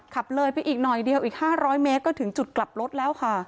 ขับเลยอีกน้อย๕๐๐มก็ถึงจุดกลับรถแล้วค่ะ